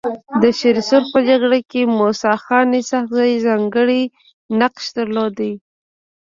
د شيرسرخ په جرګه کي موسي خان اسحق زي ځانګړی نقش درلود.